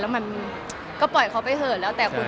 แล้วมันก็ปล่อยเขาไปเถอะแล้วแต่คุณ